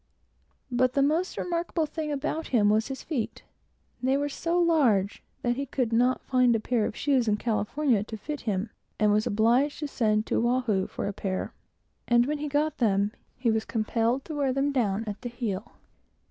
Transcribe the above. But the most remarkable thing about him was his feet. They were so large that he could not find a pair of shoes in California to fit him, and was obliged to send to Oahu for a pair; and when he got them, he was compelled to wear them down at the heel.